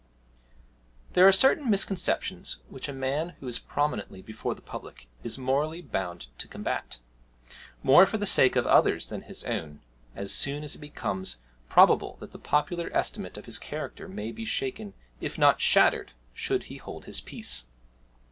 There are certain misconceptions which a man who is prominently before the public is morally bound to combat more for the sake of others than his own as soon as it becomes probable that the popular estimate of his character may be shaken, if not shattered, should he hold his peace.